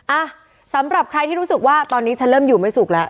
อ่ะสำหรับใครที่รู้สึกว่าตอนนี้ฉันเริ่มอยู่ไม่สุขแล้ว